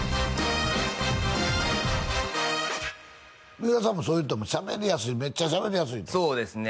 三浦さんもそう言うてたもんしゃべりやすいめっちゃしゃべりやすいってそうですね